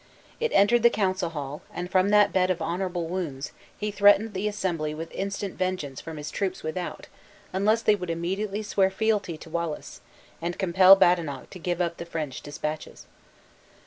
It entered the council hall, and from that bed of honorable wounds, he threatened the assembly with instant vengeance from his troops without, unless they would immediately swear fealty to Wallace, and compel Badenoch to give up the French dispatches.